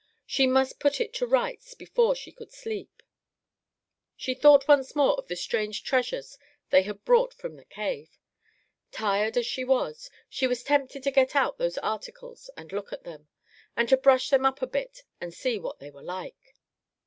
She must put it to rights before she could sleep. She thought once more of the strange treasures they had brought from the cave. Tired as she was, she was tempted to get out those articles and look at them, and to brush them up a bit and see what they were like.